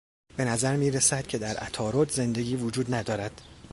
به نظر میرسد که در عطارد زندگی وجود ندارد.